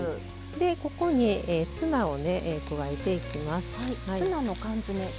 でここにツナをね加えていきます。